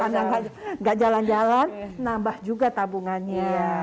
karena nggak jalan jalan nambah juga tabungannya